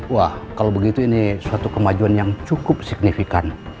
wah kalau begitu ini suatu kemajuan yang cukup signifikan